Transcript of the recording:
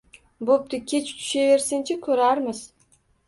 Bo`pti, kech tushaversin-chi, ko`rarmiz